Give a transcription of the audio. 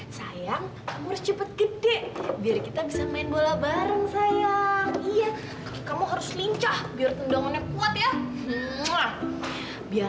sampai jumpa di video selanjutnya